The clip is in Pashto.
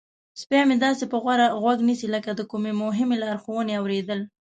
سپی مې داسې په غور غوږ نیسي لکه د کومې مهمې لارښوونې اوریدل.